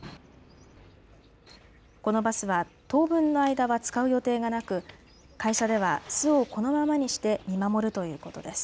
このバスは当分の間は使う予定がなく会社では巣をこのままにして見守るということです。